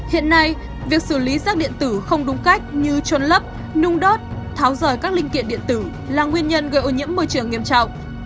hiện nay việc xử lý rác điện tử không đúng cách như trôn lấp nung đốt tháo rời các linh kiện điện tử là nguyên nhân gây ô nhiễm môi trường nghiêm trọng